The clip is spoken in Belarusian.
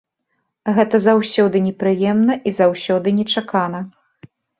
Гэта заўсёды непрыемна і заўсёды нечакана.